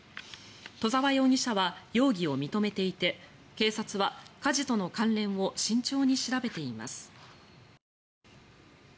戸澤容疑者は容疑を認めていて警察は火事との関連を慎重に調べています。